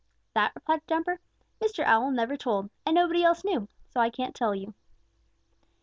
"That," replied Jumper, "Mr. Owl never told, and nobody else knew, so I can't tell you."